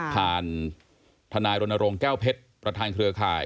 ทนายรณรงค์แก้วเพชรประธานเครือข่าย